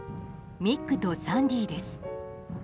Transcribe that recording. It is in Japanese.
ミックとサンディーです。